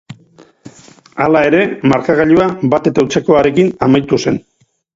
Hala ere, markagailua bat eta hutsekoarekin amaitu zen.